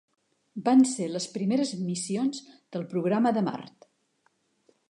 Van ser les primeres missions del programa de Mart.